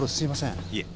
いえ。